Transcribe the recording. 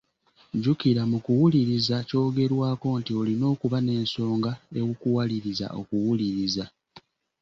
Jjukira mu kuwuliriza kyogerwako nti olina okuba n'ensonga ekuwaliriza okuwuliriza.